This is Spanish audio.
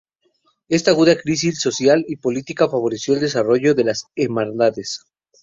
Esta aguda crisis social y política favoreció el desarrollo de las "Hermandades.